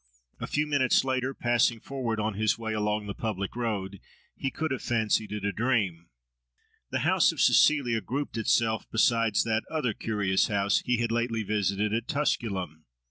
A few minutes later, passing forward on his way along the public road, he could have fancied it a dream. The house of Cecilia grouped itself beside that other curious house he had lately visited at Tusculum.